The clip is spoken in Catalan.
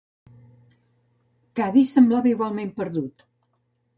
Caddy semblava igualment perdut.